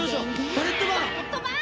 バレットバーン！